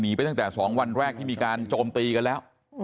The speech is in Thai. ไปตั้งแต่๒วันแรกที่มีการโจมตีกันแล้ว